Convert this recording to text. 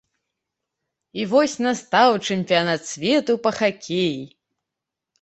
І вось настаў чэмпіянат свету па хакеі.